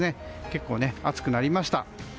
結構暑くなりました。